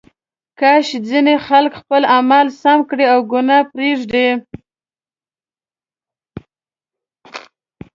کاش ځینې خلک خپل اعمال سم کړي او ګناه پرېږدي.